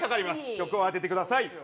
曲を当ててください。